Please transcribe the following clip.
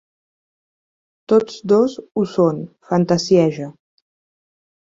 Tots dos ho són, fantasieja.